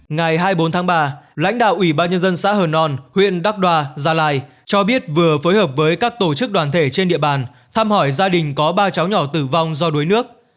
ngày hai mươi bốn tháng ba lãnh đạo ủy ban nhân dân xã hờ nòn huyện đắc đoa gia lai cho biết vừa phối hợp với các tổ chức đoàn thể trên địa bàn thăm hỏi gia đình có ba cháu nhỏ tử vong do đuối nước